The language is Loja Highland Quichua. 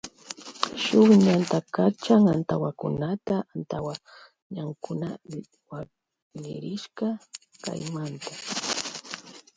Shun ñanta kachan antawakunata antawañankuna waklirishka kaymanta.